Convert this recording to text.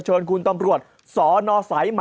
เบิร์ตลมเสียโอ้โห